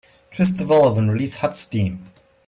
Twist the valve and release hot steam.